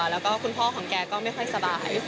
แล้วก็คุณพ่อของแกก็ไม่ค่อยสบาย